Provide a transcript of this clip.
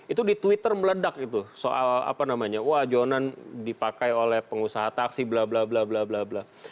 itu di twitter meledak itu soal apa namanya wah jonan dipakai oleh pengusaha taksi bla bla bla bla bla bla